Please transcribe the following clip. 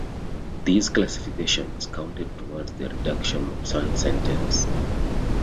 These falsifications counted towards the reduction of Sun’s sentence.